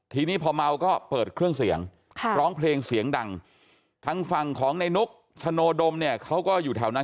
ทีนี้พอเมาก็เปิดเครื่องเสียงร้องเพลงเสียงดังทางฝั่งของในนุกชโนดมเนี่ยเขาก็อยู่แถวนั้น